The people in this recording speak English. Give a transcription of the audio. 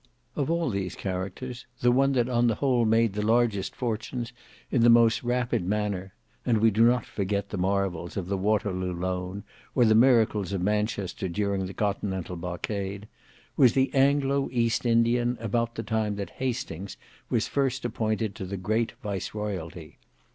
Of all these characters, the one that on the whole made the largest fortunes in the most rapid manner,—and we do not forget the marvels of the Waterloo loan, or the miracles of Manchester during the continental blockade—was the Anglo East Indian about the time that Hastings was first appointed to the great viceroyalty.